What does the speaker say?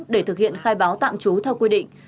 để thực hiện khai báo tạm trú theo quy định